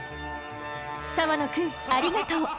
澤野くんありがとう！